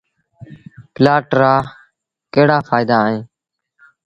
پلآٽ رآ ڪهڙآ ڦآئيدآ اهيݩ۔